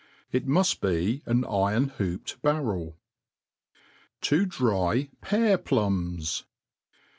It muft be an iron hooped basreU i I To dry Pear Plums.